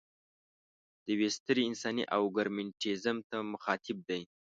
د یوې سترې انساني ارګومنټیزم ته مخاطب دی.